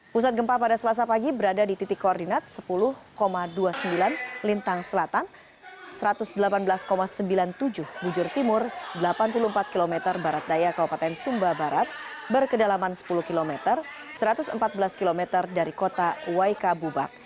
pusat gempa pada selasa pagi berada di titik koordinat sepuluh dua puluh sembilan lintang selatan satu ratus delapan belas sembilan puluh tujuh bujur timur delapan puluh empat km barat daya kabupaten sumba barat berkedalaman sepuluh km satu ratus empat belas km dari kota waika bubak